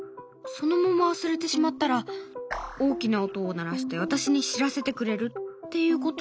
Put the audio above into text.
そのまま忘れてしまったら大きな音を鳴らして私に知らせてくれるっていうことなんだけど。